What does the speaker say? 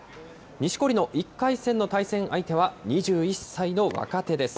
錦織の１回戦の対戦相手は、２１歳の若手です。